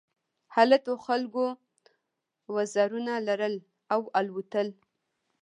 هلته خلکو وزرونه لرل او الوتل.